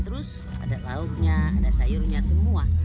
terus ada lalunya ada sayurnya semua